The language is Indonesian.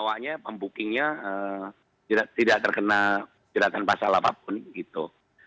kalau membookingnya tidak terkena jeratan pasal apapun gitu